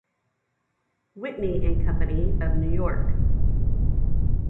Whitney and Company of New York.